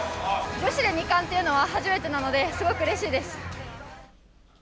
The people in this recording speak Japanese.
女子で２冠というのは初めてなので、すごくうれしいです。